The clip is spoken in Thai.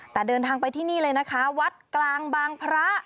แต่เดินทางไปที่นี่เลยนะคะวัดกลางบางพระ